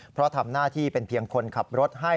เพราะทำหน้าที่เป็นเพียงคนขับรถให้